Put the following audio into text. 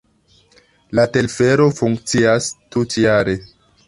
La telfero funkcias tutjare.